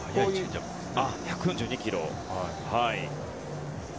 １４２キロ。